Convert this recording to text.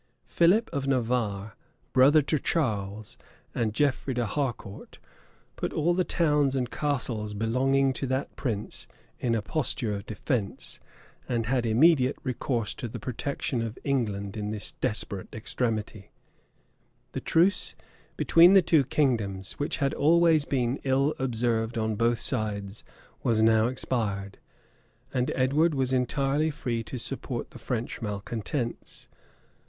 Philip of Navarre, brother to Charles, and Geoffrey d'Harcourt, put all the towns and castles belonging to that prince in a posture of defence; and had immediate recourse to the protection of England in this desperate extremity. * Froissard. liv. i. chap. 146. The truce between the two kingdoms, which had always been ill observed on both sides, was now expired; and Edward was entirely free to support the French malecontents.